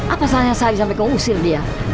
apa salahnya saya sampai keusir dia